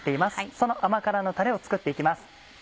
その甘辛のたれを作って行きます。